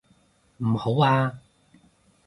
唔好啊！